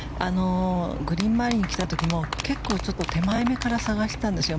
グリーン周りに来た時も手前めから探したんですよ。